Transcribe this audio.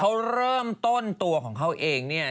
เขาเริ่มต้นตัวของเขาเองเนี่ย